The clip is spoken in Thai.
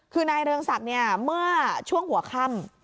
คือนายเรื่องซับเมื่อช่วงหัวค่ำ